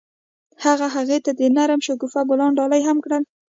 هغه هغې ته د نرم شګوفه ګلان ډالۍ هم کړل.